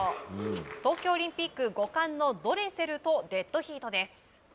東京オリンピック５冠のドレセルとデッドヒートです。